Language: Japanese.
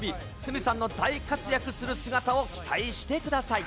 鷲見さんの大活躍する姿を期待してください。